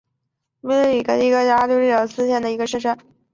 彻里谷是一个位于美国阿肯色州克罗斯县的城市。